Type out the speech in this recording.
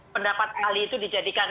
pendapat ahli itu dijadikan